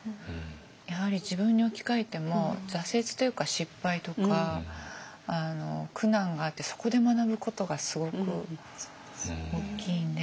やはり自分に置き換えても挫折というか失敗とか苦難があってそこで学ぶことがすごく大きいんで。